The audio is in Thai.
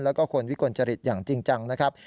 แล้วก็คนวิกลจริตอย่างจริงจังนะครับ